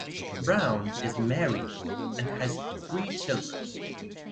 Braun is married and has three children.